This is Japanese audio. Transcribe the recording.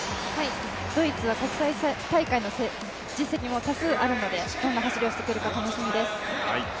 ドイツは国際大会の実績も多数あるのでどんな走りをしてくるか楽しみです。